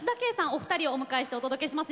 お二人をお迎えしてお届けします。